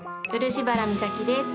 漆原実咲です。